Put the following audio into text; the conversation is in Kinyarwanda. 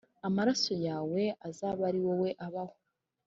Amaraso yawe azabe ari wowe abaho.”